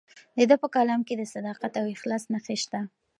د ده په کلام کې د صداقت او اخلاص نښې شته.